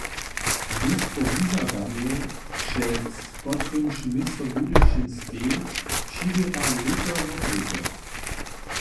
Mnóstwo wužadanjow, před kotrymiž město Budyšin steji, přiběra lěto wob lěto.